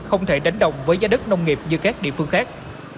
không thể đánh đồng với giá đất nông nghiệp như các địa phương khác